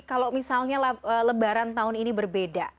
kalau misalnya lebaran tahun ini berbeda